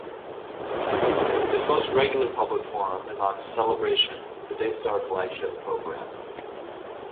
His most regular public forum is on "Celebration", the Daystar flagship program.